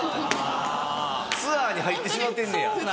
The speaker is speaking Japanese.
ツアーに入ってしまってんねや。